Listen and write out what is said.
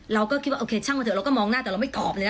เราก็คิดว่าโอเคช่างมาเถอเราก็มองหน้าแต่เราไม่ตอบเลย